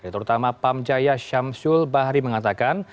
terutama pamjaya syamsul bahri mengatakan